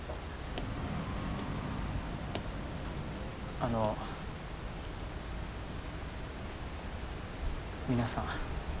あの皆さん